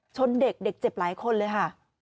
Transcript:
ชนเด็กเด็กเจ็บหลายคนเลยค่ะ